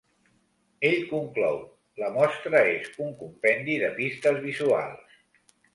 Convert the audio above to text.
Ell conclou: la mostra és un compendi de pistes visuals.